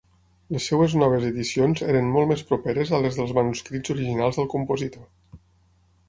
Les seves noves edicions eren molt més properes a les dels manuscrits originals del compositor.